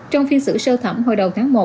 trong phiên xử sơ thẩm hồi đầu tháng một